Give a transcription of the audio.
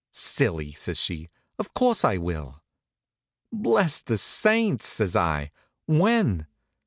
"Silly!" says she. "Of course I will." "Bless the saints!" says I. "When?"